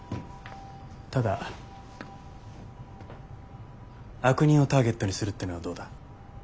ただ悪人をターゲットにするっていうのはどうだ？